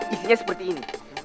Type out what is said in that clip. isinya seperti ini